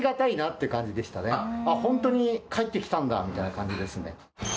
あっ本当に帰ってきたんだみたいな感じですね。